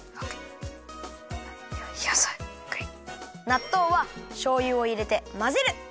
なっとうはしょうゆをいれてまぜる！